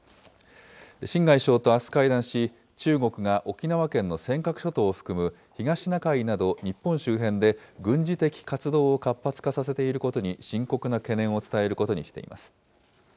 秦外相とあす会談し、中国が沖縄県の尖閣諸島を含む東シナ海など日本周辺で軍事的活動を活発化させていることに深刻な懸念を伝えることにしています。